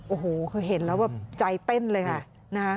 โอ้โฮคือเห็นแล้วว่าใจเป้นเลยค่ะ